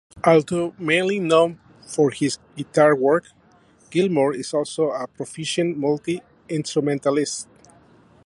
Although mainly known for his guitar work, Gilmour is also a proficient multi-instrumentalist.